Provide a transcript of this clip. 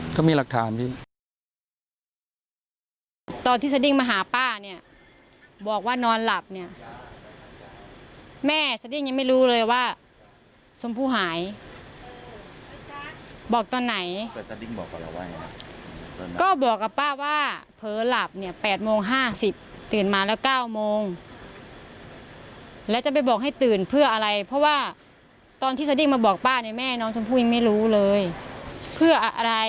ตอนที่เสดิ้งมาหาป้าเนี้ยบอกว่านอนหลับเนี้ยแม่เสดิ้งยังไม่รู้เลยว่าสมผู้หายบอกตอนไหนก็บอกกับป้าว่าเผลอหลับเนี้ยแปดโมงห้าสิบตื่นมาแล้วเก้าโมงแล้วจะไปบอกให้ตื่นเพื่ออะไรเพราะว่าตอนที่เสดิ้งมาบอกป้าเนี้ยแม่น้องสมผู้ยังไม่รู้เลยเพื่ออะไร